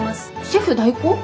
シェフ代行？